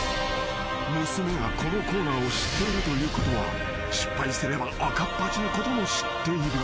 ［娘がこのコーナーを知っているということは失敗すれば赤っ恥なことも知っている］